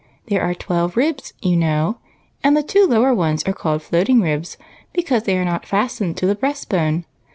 There are twelve ribs, you know, and the two lower ones are called floating ribs, because they are not fastened to the breast bone.